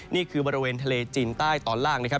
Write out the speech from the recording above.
นี่คือบริเวณทะเลจีนใต้ตอนล่างนะครับ